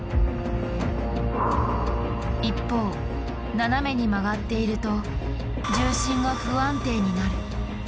一方斜めに曲がっていると重心が不安定になる。